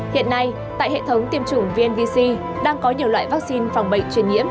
hiện nay tại hệ thống tiêm chủng vnvc đang có nhiều loại vaccine phòng bệnh truyền nhiễm